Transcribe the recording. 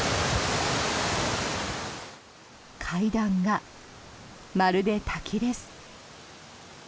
階段が、まるで滝です。